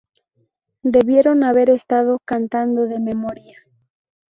Debieron haber estado cantando de memoria.